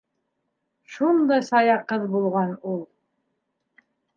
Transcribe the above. Шундай сая ҡыҙ булған ул...